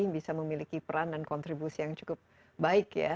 bisa memiliki peran dan kontribusi yang cukup baik ya